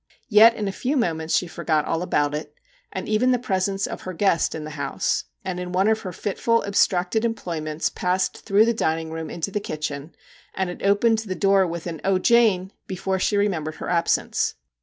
Yet in a few moments she forgot all about it, and even the presence of her guest in the house, and in one of her fitful abstracted employments passed through the dining room into the kitchen, and had opened the door with an ' O Jane !' before she remembered her absence.